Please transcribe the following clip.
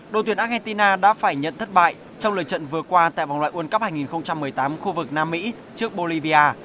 đội tuyển argentina đã phải nhận thất bại trong lời trận vừa qua tại vòng loại world cup hai nghìn một mươi tám khu vực nam mỹ trước bolivia